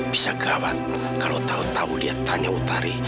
bisa gawat kalau tau tau dia tanya utari